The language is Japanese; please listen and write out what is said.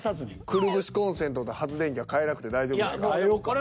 くるぶしコンセントと発電機は変えなくて大丈夫ですか？